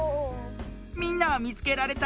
みんなはみつけられた？